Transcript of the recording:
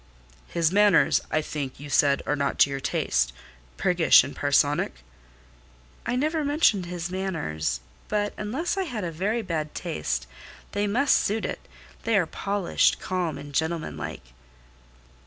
"His manners, I think, you said are not to your taste?—priggish and parsonic?" "I never mentioned his manners; but, unless I had a very bad taste, they must suit it; they are polished, calm, and gentlemanlike."